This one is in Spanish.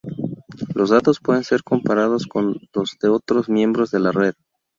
Los datos pueden ser comparados con los de otros miembros de la red.